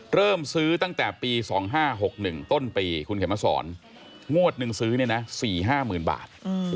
เริ่มซื้อตั้งแต่ปี๒๕๖๑ต้นปีคุณเข็มมาสอนงวดหนึ่งซื้อเนี่ยนะ๔๕๐๐๐บาท